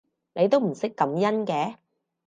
你都唔識感恩嘅